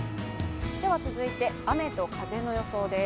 では続いて雨と風の予想です。